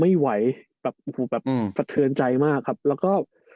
ไม่ไหวแบบฝัดเทือนใจมากแล้วก็